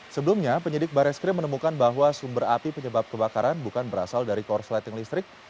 sebelumnya penyidik baris krim menemukan bahwa sumber api penyebab kebakaran bukan berasal dari korsleting listrik